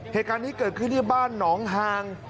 เหตุการณ์นี้เกิดขึ้นที่บ้านหนองฮาง